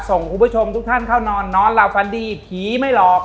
ส่งคุณผู้ชมทุกท่านเข้านอนนอนหลับฝันดีผีไม่หลอก